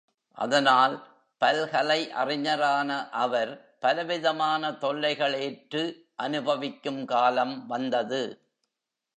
அதனால் பல்கலை அறிஞரான அவர், பலவிதமான தொல்லைகள் ஏற்று அனுபவிக்கும் காலம் வந்தது.